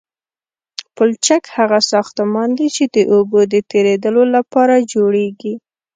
پلچک هغه ساختمان دی چې د اوبو د تیرېدو لپاره جوړیږي